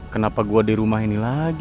kenapa gue di rumah ini lagi